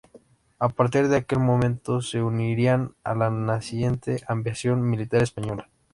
A partir de aquel momento se uniría a la naciente Aviación militar española.